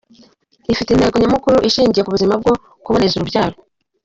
Ifite intego nyamukuru ishingiye ku buzima bwo kuboneza urubyaro.